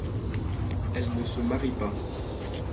Elle ne se marie pas.